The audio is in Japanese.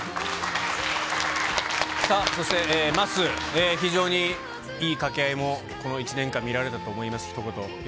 さあ、そして、まっすー、非常にいい掛け合いも、この１年間、見られたと思います。